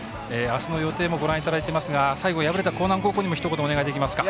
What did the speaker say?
明日も予定もご覧いただいていますが最後、敗れた興南高校にもひと言、お願いできますか。